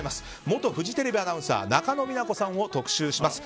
元フジテレビアナウンサー中野美奈子さんを特集します。